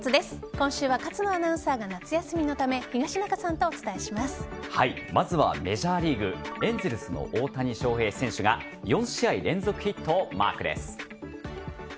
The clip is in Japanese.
今週は勝野アナウンサーが夏休みのためまずはメジャーリーグエンゼルスの大谷翔平選手が４試合連続ヒットをマークです。